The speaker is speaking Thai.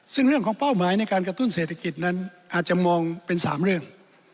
ซึ่งเรื่องของเป้าหมายในการกระตุ้นเศรษฐกิจนั้นอาจจะมองเป็น๓เรื่อง